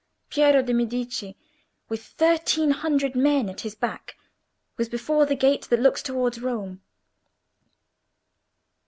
Piero de' Medici, with thirteen hundred men at his back, was before the gate that looks towards Rome.